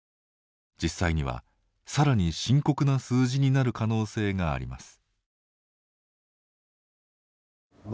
実際にはさらに深刻な数字になる可能性もあります。